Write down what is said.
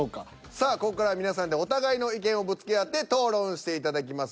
さあここからは皆さんでお互いの意見をぶつけ合って討論していただきます。